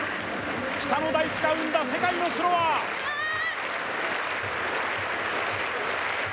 北の大地が生んだ世界のスロワーいきまーす！